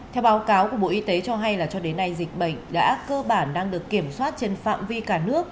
theo báo cáo của bộ y tế cho hay là cho đến nay dịch bệnh đã cơ bản đang được kiểm soát trên phạm vi cả nước